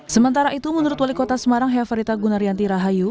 sementara itu menurut wali kota semarang heva rita gunarianti rahayu